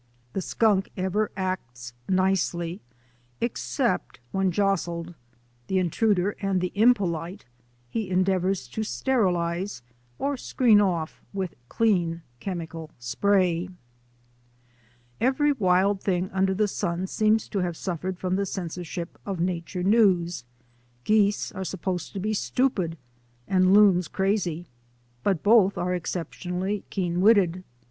The skunk CENSORED NATURAL HISTORY NEWS 217 ever acts nicely except when jostled; the intruder and the impolite he endeavours to sterilize or screen off with clean chemical spray. Every wild thing under the sun seems to have suffered from the censorship of nature news. Geese are supposed to be stupid and loons crazy, but both are exceptionally keen witted.